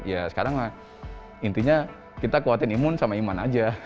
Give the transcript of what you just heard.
ya sekarang intinya kita kuatin imun sama iman aja